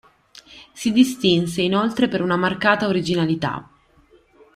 Si distinse inoltre per una marcata originalità.